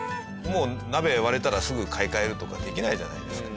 もう鍋割れたらすぐ買い替えるとかできないじゃないですか。